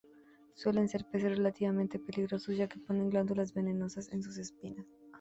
Suelen ser peces relativamente peligrosos ya que poseen glándulas venenosas en sus espinas.